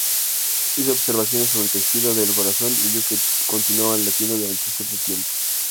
Hizo observaciones sobre tejido del corazón y vio que continuaban latiendo durante cierto tiempo.